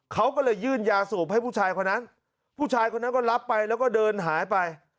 เขาก็เลยยื่นยาสูบให้ผู้ชายคนนั้นผู้ชายคนนั้นก็รับไปแล้วก็เดินหายไป